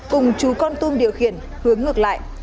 cùng chú con tôm điều khiển hướng ngược lại